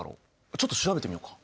ちょっと調べてみようか。